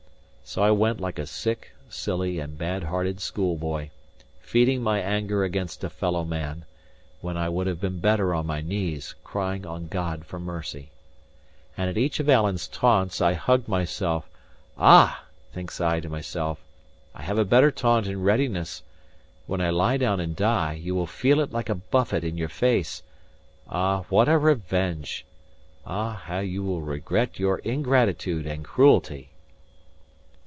So I went like a sick, silly, and bad hearted schoolboy, feeding my anger against a fellow man, when I would have been better on my knees, crying on God for mercy. And at each of Alan's taunts, I hugged myself. "Ah!" thinks I to myself, "I have a better taunt in readiness; when I lie down and die, you will feel it like a buffet in your face; ah, what a revenge! ah, how you will regret your ingratitude and cruelty!"